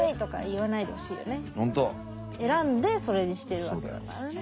選んでそれにしてるわけだからね。